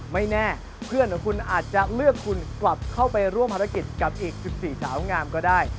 ไม่แน่เพื่อนของคุณอาจจะเลือกคุณกลับเข้าไปร่วมภารกิจกับอีก๑๔สาวงามก็ได้